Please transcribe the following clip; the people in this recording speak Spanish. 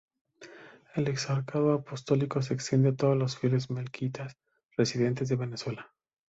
El exarcado apostólico se extiende a todos los fieles melquitas residentes en Venezuela.